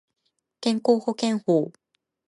健康保険法